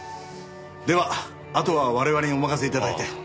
ではあとは我々にお任せ頂いて。